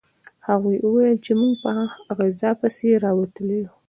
هغوی وویل چې موږ په غذا پسې راوتلي یو